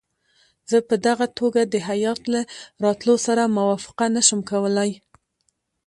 زه په دغه توګه د هیات له راتلو سره موافقه نه شم کولای.